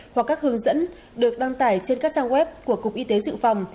hoặc các hướng dẫn được đăng tải trên các trang web của cục y tế dự phòng